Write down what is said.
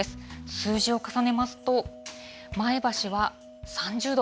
数字を重ねますと、前橋は３０度。